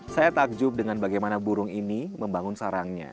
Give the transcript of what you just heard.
saya takjub dengan bagaimana burung ini memiliki penampilan